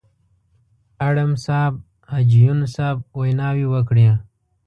اړم صاحب، حاجي یون صاحب ویناوې وکړې.